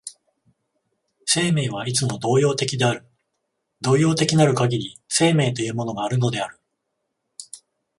生命はいつも動揺的である、動揺的なるかぎり生命というものがあるのである。